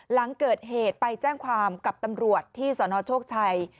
หลังเกิดเหตุไปแจ้งความกับตำรวจที่สนโชคชัย